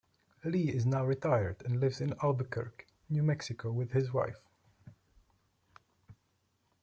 Lee is now retired and lives in Albuquerque, New Mexico with his wife.